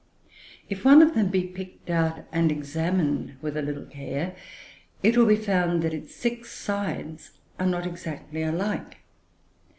If one of them be picked out and examined with a little care, it will be found that its six sides are not exactly alike.